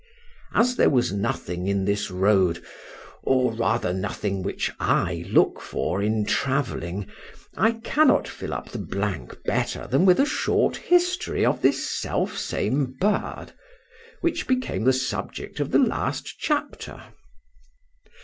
As there was nothing in this road, or rather nothing which I look for in travelling, I cannot fill up the blank better than with a short history of this self same bird, which became the subject of the last chapter.